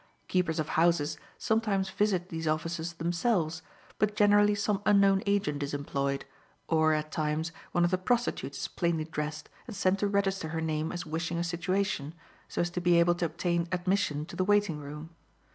Keepers of houses sometimes visit these offices themselves, but generally some unknown agent is employed, or, at times, one of the prostitutes is plainly dressed, and sent to register her name as wishing a situation, so as to be able to obtain admission to the waiting room.